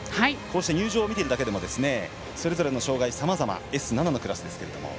入場を見ているだけでもそれぞれの障がいさまざまＳ７のクラスですけれども。